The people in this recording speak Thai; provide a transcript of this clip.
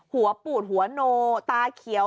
หัวปูดหัวโนตาเขียว